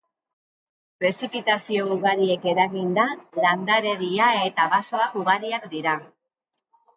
Prezipitazio ugariek eraginda, landaredia eta basoak ugariak dira.